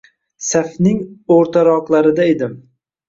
Safning oʻrtaroqlarida edim.